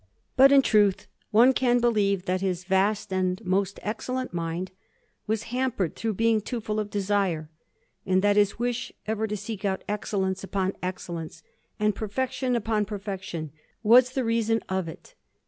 But, in truth, one can believe that his vast and most excellent mind was hampered through being too full of desire, and that his wish ever to seek out excellence upon excellence, and perfection upon perfection, was the reason of it.